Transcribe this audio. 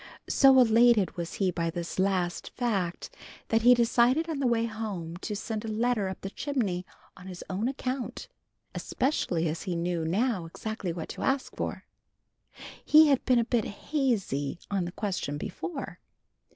So elated was he by this last fact, that he decided on the way home to send a letter up the chimney on his own account, especially as he knew now exactly what to ask for. He had been a bit hazy on the question before.